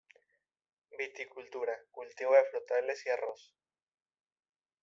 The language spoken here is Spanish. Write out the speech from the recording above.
Viticultura; cultivo de frutales y arroz.